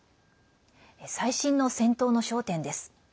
最新の戦闘の焦点です。